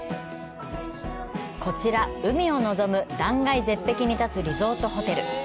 こちら、海を望む断崖絶壁に建つリゾートホテル。